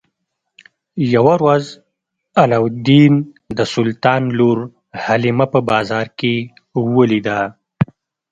یوه ورځ علاوالدین د سلطان لور حلیمه په بازار کې ولیده.